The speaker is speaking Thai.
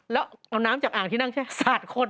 แล้วเอาน้ำจากอ่างที่นั่งสาดคน